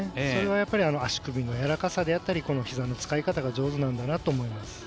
それは足首のやわらかさであったりひざの使い方が上手なんだなと思います。